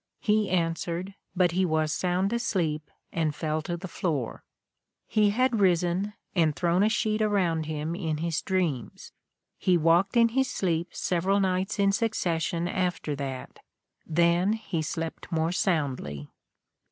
He answered, but he was sound asleep and fell to the floor. He had risen and thrown a sheet around him in his dreams. He walked in his sleep several nights in succession after that. Then he slept more soundly."